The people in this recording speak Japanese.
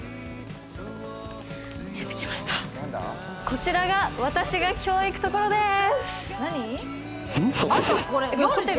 こちらが私が今日行く所です。